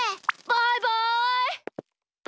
・バイバイ！